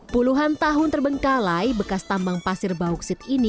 puluhan tahun terbengkalai bekas tambang pasir bauksit ini